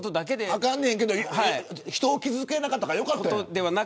あかんねんけど人を傷つけなかったからよかった。